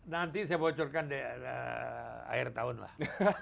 nanti saya bocorkan di akhir tahun lah